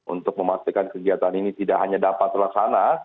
untuk memastikan kegiatan ini tidak hanya dapat terlaksana